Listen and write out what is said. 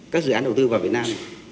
các dự án đầu tư vào việt nam